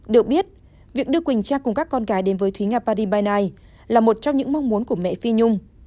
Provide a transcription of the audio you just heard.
được biết việc đưa quỳnh trang cùng các con gái đến với thúy nga party by night là một trong những mong muốn của mẹ phi nhung